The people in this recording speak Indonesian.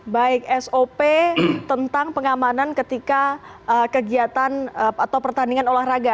baik sop tentang pengamanan ketika kegiatan atau pertandingan olahraga